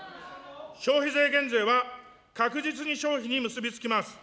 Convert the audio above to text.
消費税減税は確実に消費に結び付きます。